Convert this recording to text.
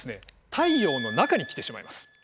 太陽の中に来てしまいます。